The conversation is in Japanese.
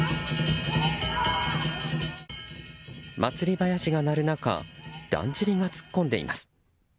祭囃子が鳴る中だんじりが突っ込んでいます。